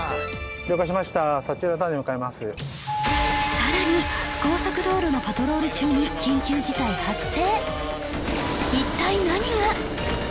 さらに高速道路のパトロール中に緊急事態発生！